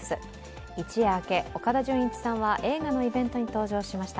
一夜明け、岡田准一さんは映画のイベントに登場しました。